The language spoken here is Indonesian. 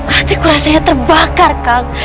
hatiku rasanya terbakar kang